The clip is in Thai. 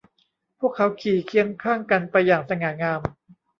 พวกเขาขี่เคียงข้างกันไปอย่างสง่างาม